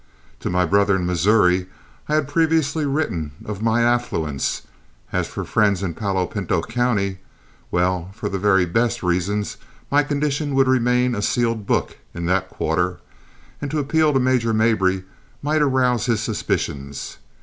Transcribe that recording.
To my brother in Missouri I had previously written of my affluence; as for friends in Palo Pinto County, well, for the very best of reasons my condition would remain a sealed book in that quarter; and to appeal to Major Mabry might arouse his suspicions.